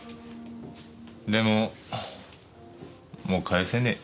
でももう返せねえ。